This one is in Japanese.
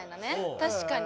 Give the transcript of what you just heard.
確かに。